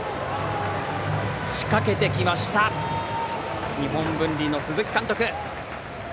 仕掛けてきました日本文理の鈴木監督。